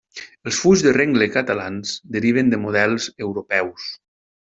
Els fulls de rengle catalans deriven de models europeus.